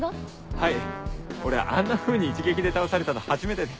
はい俺あんなふうに一撃で倒されたの初めてで。